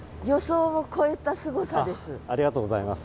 ありがとうございます。